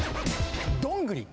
どんぐり。